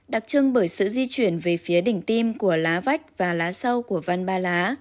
đặc trưng bởi sự di chuyển về phía đỉnh tim của lá vách và lá sâu của văn ba lá